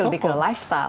jadi lebih ke lifestyle ya